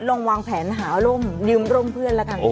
ลองวางแผนหาร่มลืมร่มเพื่อนละทั้งคู่